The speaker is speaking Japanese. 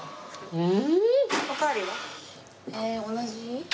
うん。